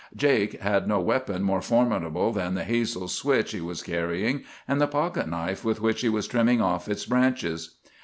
Jake had no weapon more formidable than the hazel switch he was carrying and the pocket knife with which he was trimming off its branches.